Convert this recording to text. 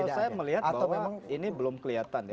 kalau saya melihat bahwa memang ini belum kelihatan ya